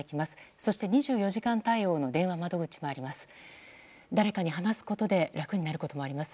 そして２４時間対応の電話窓口もあります。